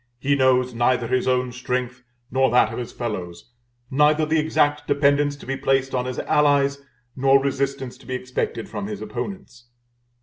He knows neither his own strength nor that of his fellows, neither the exact dependence to be placed on his allies nor resistance to be expected from his opponents.